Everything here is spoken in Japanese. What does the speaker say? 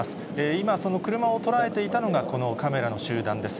今、その車を捉えていたのが、このカメラの集団です。